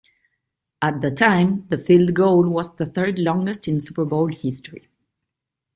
At the time, the field goal was the third longest in Super Bowl history.